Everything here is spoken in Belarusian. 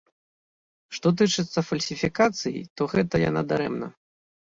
Што тычыцца фальсіфікацый, то гэта яна дарэмна.